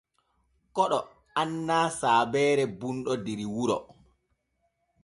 Koɗo annaa saabeere bunɗo der wuro.